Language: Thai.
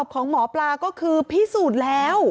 ของหมอปลาก็คือพิสูจน์แล้ว